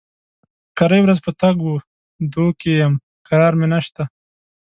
کرۍ ورځ په تګ و دو کې يم؛ کرار مې نشته.